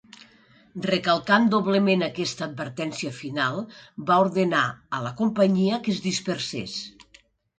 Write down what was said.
Recalcant doblement aquesta advertència final, va ordenar a la companyia que es dispersés.